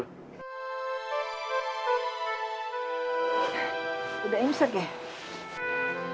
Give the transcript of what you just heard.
udah insek ya